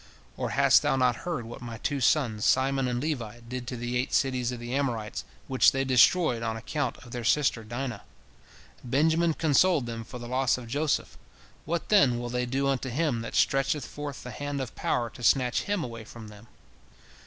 Or hast thou not heard what my two sons Simon and Levi did to the eight cities of the Amorites, which they destroyed on account of their sister Dinah? Benjamin consoled them for the loss of Joseph. What, then, will they do unto him that stretcheth forth the hand of power to snatch him away from them?